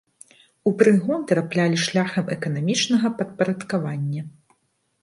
У прыгон траплялі шляхам эканамічнага падпарадкавання.